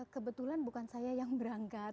kebetulan bukan saya yang berangkat